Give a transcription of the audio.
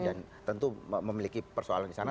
dan tentu memiliki persoalan di sana